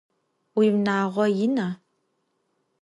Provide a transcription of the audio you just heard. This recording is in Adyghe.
Vuiunağo yina?